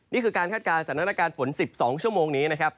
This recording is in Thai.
นี่คือการคาดการณ์สถานการณ์ฝน๑๒ชั่วโมงนี้นะครับ